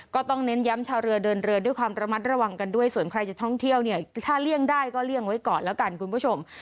ก็ต้องเน้นย้ำชาวเรือเดินเรือด้วยความระมัดระวังกันด้วยส่วนใครจะท่องเที่ยวเนี่ยถ้าเลี่ยงได้ก็เลี่ยงไว้ก่อนแล้วกันคุณผู้ชม